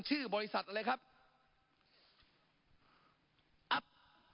ชื่อบริษัทอะไรครับ